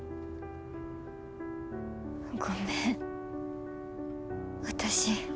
ごめん私。